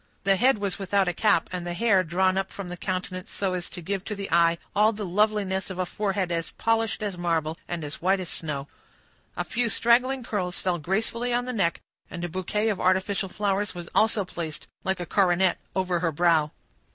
The head was without a cap, and the hair drawn up from the countenance so as to give to the eye all the loveliness of a forehead as polished as marble and as white as snow. A few straggling curls fell gracefully on the neck, and a bouquet of artificial flowers was also placed, like a coronet, over her brow.